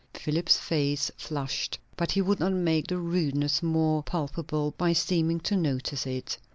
Philip's face flushed, but he would not make the rudeness more palpable by seeming to notice it.